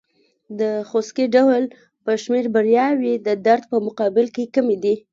د خوسکي ډول په شمېر بریاوې د درد په مقابل کې کمې دي.